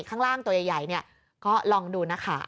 ข้างล่างตัวใหญ่เนี่ยก็ลองดูนะคะ